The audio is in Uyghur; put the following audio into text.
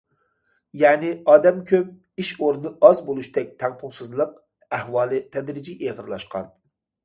يەنى،‹‹ ئادەم كۆپ، ئىش ئورنى ئاز›› بولۇشتەك تەڭپۇڭسىزلىق ئەھۋالى تەدرىجىي ئېغىرلاشقان.